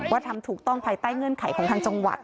ทำถูกต้องภายใต้เงื่อนไขของทางจังหวัด